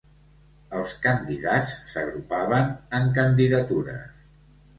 Els candidats s'agrupaven en candidatures.